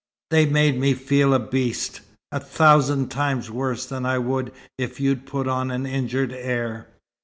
They made me feel a beast a thousand times worse than I would if you'd put on an injured air.